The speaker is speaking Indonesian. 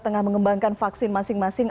tengah mengembangkan vaksin masing masing